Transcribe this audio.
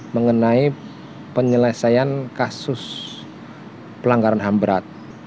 mengenai penyelesaian kasus pelanggaran ham berat